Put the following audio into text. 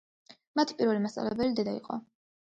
მათი პირველი მასწავლებელი დედა იყო.